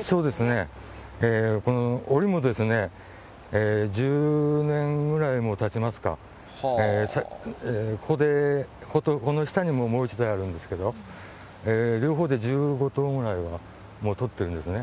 そうですね、このおりも、１０年くらいたちますか、ここで、こことこの下にももう一台あるんですけれども、両方で１５頭ぐらいはもう捕ってるんですね。